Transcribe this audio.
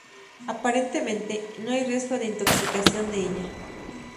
Aparentemente, no hay riesgo de intoxicación de ella.